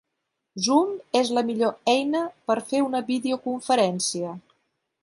Zoom és la millor eina per fer una videoconferència.